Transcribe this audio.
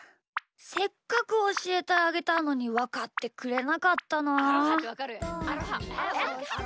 せっかくおしえてあげたのにわかってくれなかったなあ。